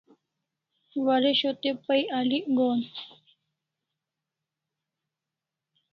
Waresho te pay alik gohan